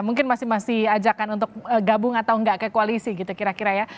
mungkin masih masih ajakan untuk gabung atau nggak ke koalisi gitu kira kira ya